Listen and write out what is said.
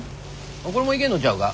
これもいけんのちゃうか？